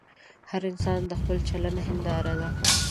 هر انسان د خپل چلند هنداره ده.